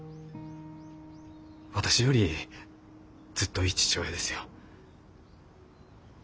私よりずっといい父親ですよ。